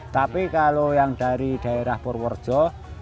tapi kalau yang dari daerah purworejo